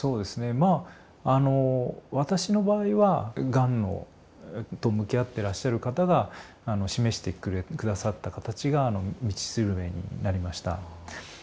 まあ私の場合はがんと向き合ってらっしゃる方が示して下さった形が道しるべになりました。